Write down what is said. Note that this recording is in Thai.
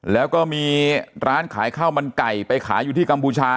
แล้วก็มีร้านขายข้าวมันไก่ไปขายอยู่ที่กัมพูชา